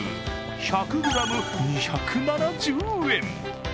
１００ｇ、２７０円。